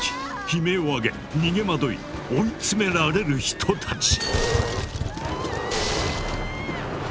悲鳴をあげ逃げ惑い追い詰められる人たち。